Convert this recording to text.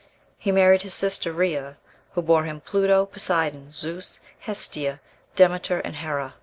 He married his sister Rhea, who bore him Pluto, Poseidon, Zeus, Hestia, Demeter, and Hera.